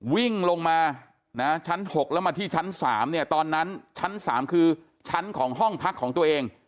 วิ่งลงมาชั้น๖แล้วมาที่ชั้น๓เนี่ยตอนนั้นชั้น๓คือชั้นของห้องพักของตัวเอง